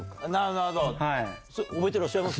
覚えてらっしゃいます？